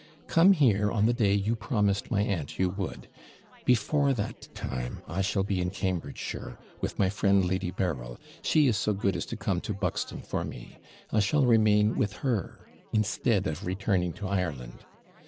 Come here on the day you promised my aunt you would; before that time I shall be in Cambridgeshire, with my friend Lady Berryl; she is so good as to come to Buxton for me I shall remain with her, instead of returning to Ireland.